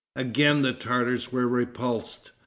Again the Tartars were repulsed.